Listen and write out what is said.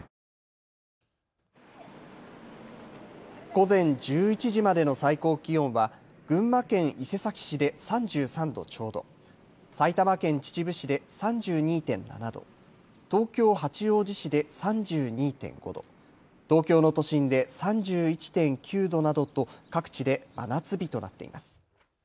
午前１１時までの最高気温は群馬県伊勢崎市で３３度ちょうど、埼玉県秩父市で３２．７度、東京八王子市で３２．５度、東京の都心で３１．９度などと各地で真夏日となっています。